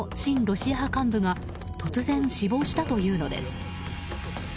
ロシア派幹部が突然、死亡したというのです。